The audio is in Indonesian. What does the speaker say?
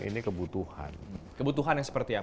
ini kebutuhan kebutuhan yang seperti apa